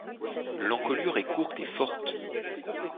L'encolure est courte et forte.